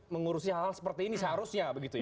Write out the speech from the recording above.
mengurusi hal hal seperti ini seharusnya begitu ya